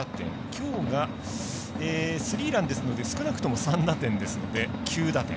きょうがスリーランですので少なくとも３打点ですので９打点。